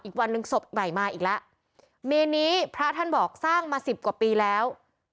อีกวันหนึ่งศพใหม่มาอีกแล้วเมนนี้พระท่านบอกสร้างมาสิบกว่าปีแล้ว